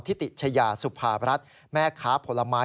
ทิติชายาสุภาพรัฐแม่ค้าผลไม้